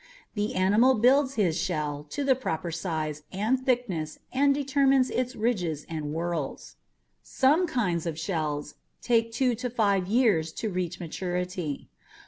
The animal builds his shell to the proper size and thickness and determines its ridges and whorls. Some kinds of shells take two to five years to reach maturity.